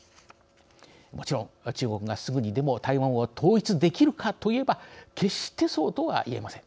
もちろん中国がすぐにでも台湾を統一できるかといえば決してそうとは言えません。